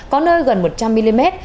có nơi gần một trăm linh mm